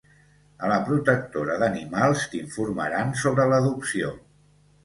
A la protectora d'animals t'informaran sobre l'adopció.